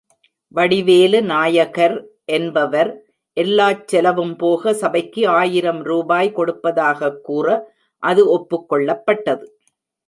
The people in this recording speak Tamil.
வடிவேலு நாயகர் என்பவர், எல்லாச் செலவும் போக, சபைக்கு ஆயிரம் ரூபாய் கொடுப்பதாகக் கூற, அது ஒப்புக் கொள்ளப்பட்டது.